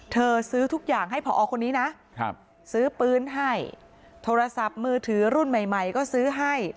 ซื้อทุกอย่างให้ผอคนนี้นะซื้อปืนให้โทรศัพท์มือถือรุ่นใหม่ใหม่ก็ซื้อให้